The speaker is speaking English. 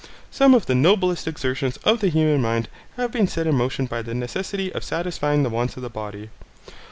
Some of the noblest exertions of the human mind have been set in motion by the necessity of satisfying the wants of the body.